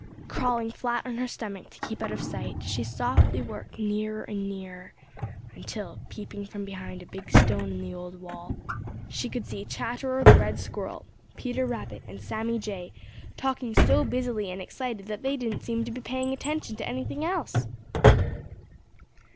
Crawling flat on her stomach to keep out of sight, she softly worked nearer and nearer until, peeping from behind a big stone in the old wall, she could see Chatterer the Red Squirrel, Peter Rabbit, and Sammy Jay talking so busily and so excited that they didn't seem to be paying attention to anything else.